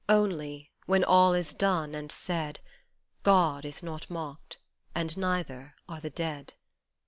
Only, when all is done and said, God is not mocked and neither are the dead.